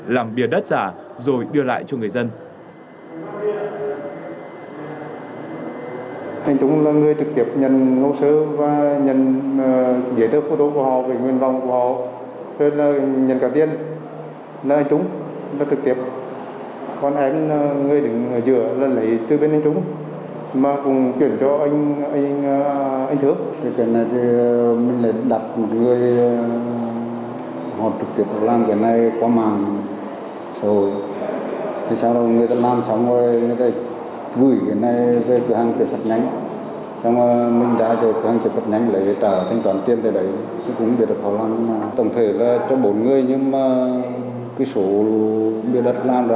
làm bia đất giả rồi đưa lại cho người dân